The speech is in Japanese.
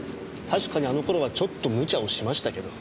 確かにあの頃はちょっと無茶をしましたけど。